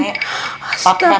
udah nek ya